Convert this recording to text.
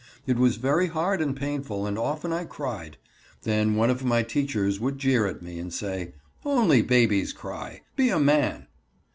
It was very hard and painful and often I cried. Then one of my teachers would jeer at me and say: "Only babies cry. Be a man."